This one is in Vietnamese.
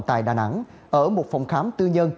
tại đà nẵng ở một phòng khám tư nhân